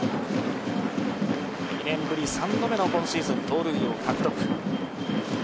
２年ぶり３度目の今シーズン盗塁王獲得。